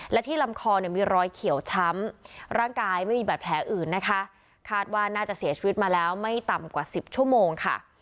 และที่ลำคอเนี่ยมีรอยเขียวช้ำร่างกายไม่มีบาดแผลอื่นนะคะคาดว่าน่าจะเสียชีวิตมาแล้วไม่ต่ำกว่าสิบชั่วโมงค่ะ